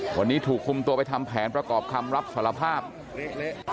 วันนี้ถูกคุมตัวไปทำแผนประกอบคำรับสารภาพ